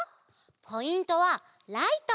ポイントはライト！